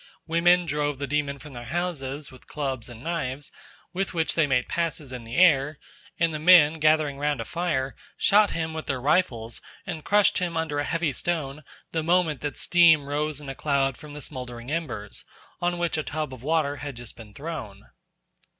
Women drove the demon from their houses with clubs and knives, with which they made passes in the air; and the men, gathering round a fire, shot him with their rifles and crushed him under a heavy stone the moment that steam rose in a cloud from the smouldering embers, on which a tub of water had just been thrown.